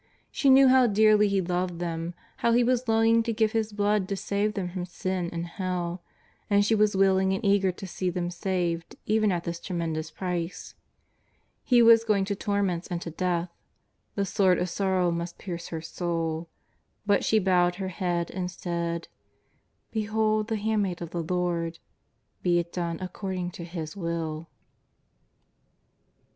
She knew how dearly He loved them, how He was longing to give His blood to save them from sin and hell, and she was willing and eager to see them saved even at this tremendous price. He was going to torments and to death ; the sword of sorrow must pierce her soul ; but she bowed her head and said :" Behold the handmaid of the Lord, be it done according to His Will.''